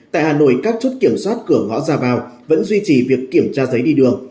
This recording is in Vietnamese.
tại hà nội các chốt kiểm soát cửa ngõ ra vào vẫn duy trì việc kiểm tra giấy đi đường